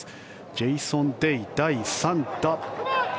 ジェイソン・デイ、第３打。